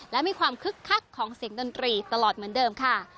และมีความคึกคักของเสียงดนตรีตลอดเหมือนเดิมค่ะ